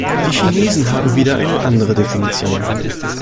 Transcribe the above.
Die Chinesen haben wieder eine andere Definition.